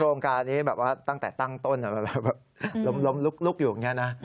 โรงการนี้แบบว่าตั้งแต่ตั้งต้นแบบล้มลุกอยู่อย่างนี้นะ